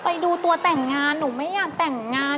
ไปดูตัวแต่งงานหนูไม่อยากแต่งงาน